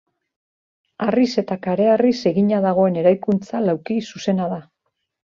Harriz eta kareharriz egina dagoen eraikuntza lauki zuzena da.